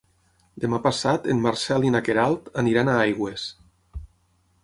Demà passat en Marcel i na Queralt aniran a Aigües.